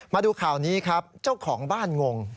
มาดูข่าวนี้ครับเจ้าของบ้านงง